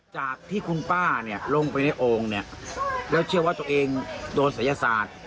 จากที่คุณป้าเนี่ยลงไปในโอ่งเนี่ยแล้วเชื่อว่าตัวเองโดนศัยศาสตร์